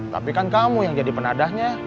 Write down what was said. tapi kan kamu yang jadi penadahnya